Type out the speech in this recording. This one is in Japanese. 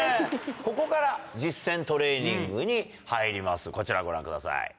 ここから実践トレーニングに入りますこちらご覧ください。